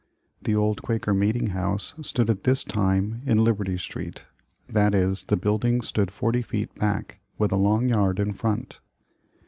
The old Quaker Meeting House stood at this time in Liberty Street, that is, the building stood forty feet back, with a long yard in front.